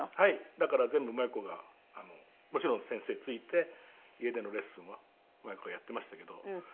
だから全部万由子がもちろん先生ついて家でのレッスンは万由子がやっていましたけど。